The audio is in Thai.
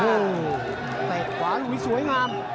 เตะขวาหลุดสวยงาม